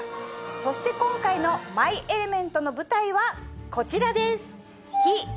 そして今回の『マイ・エレメント』の舞台はこちらです。